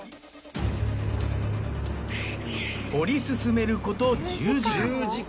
掘り進めること１０時間。